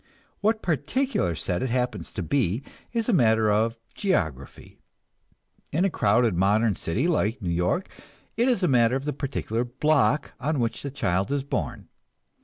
What particular set it happens to be is a matter of geography; in a crowded modern city like New York, it is a matter of the particular block on which the child is born.